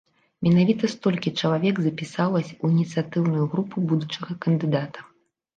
Менавіта столькі чалавек запісалася ў ініцыятыўную групу будучага кандыдата.